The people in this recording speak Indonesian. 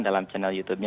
dalam channel youtube nya